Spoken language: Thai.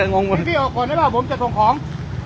พี่เอาออกก่อนได้ป่าวผมจะถ่งของ